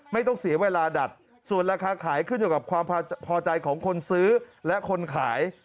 ไม่ต้องเสียเวลาดัดส่วนราคาขายขึ้นอยู่กับความพอใจของคนซื้อและคนขาย